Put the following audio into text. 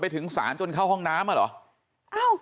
ถึงศาลจนเข้าห้องน้ำอ่ะเหรอ